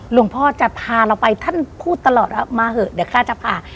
หลวงพ่อจะพาเราไปท่านพูดตลอดว่ามาเถอะเดี๋ยวกล้าจะพา